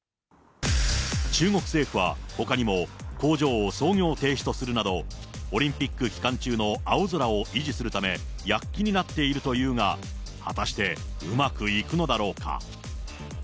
中国政府はほかにも工場を操業停止とするなど、オリンピック期間中の青空を維持するため、躍起になっているというが、果たしてうまくいくのだろうか。